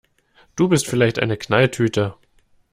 Du bist vielleicht eine Knalltüte!